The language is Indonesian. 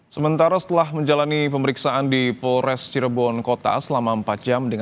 sementara setelah menjalani pemeriksaan di polres cirebon kota selama empat jam